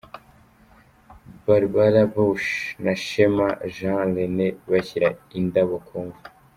Barbara Bush na Shema Jean Rene, bashyira indabo ku mva.